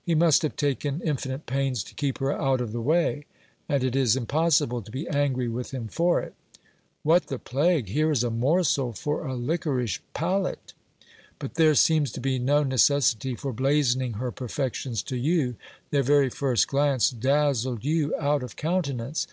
He must have taken infinite pains to keep her out of the way, and it is impossible to be angry with him for it What the plague ! here is a morsel for a liquorish palate ! But there seems to be no necessity for bla zoning her perfections to you ; their very first glance dazzled you out of coun tenance.